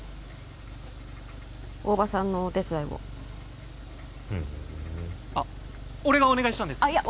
大庭さんのお手伝いをふんあっ俺がお願いしたんですあっ